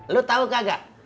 lu tau kagak